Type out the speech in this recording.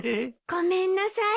ごめんなさい。